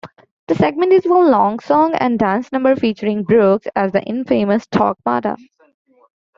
The segment is one long song-and-dance number featuring Brooks as the infamous Torquemada.